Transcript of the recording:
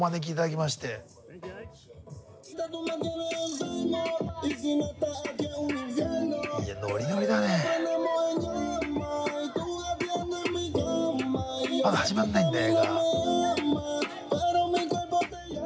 まだ始まんないんだ映画。